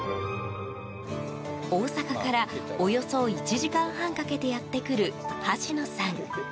大阪から、およそ１時間半かけてやってくる橋野さん。